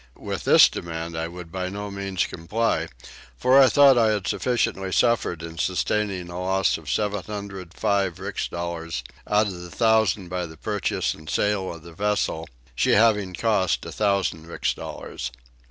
With this demand I would by no means comply for I thought I had sufficiently suffered in sustaining a loss of 705 rix dollars out of 1000 by the purchase and sale of the vessel, she having cost 1000 rix dollars.